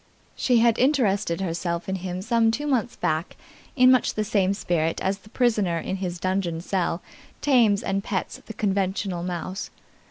She had interested herself in him some two months back in much the same spirit as the prisoner in his dungeon cell tames and pets the conventional mouse.